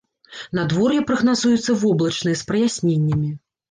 Надвор'е прагназуецца воблачнае з праясненнямі.